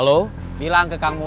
kamu lagi enggak jualan ma oke